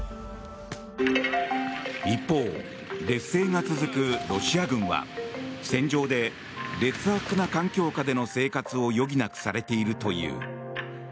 一方、劣勢が続くロシア軍は戦場で劣悪な環境下での生活を余儀なくされているという。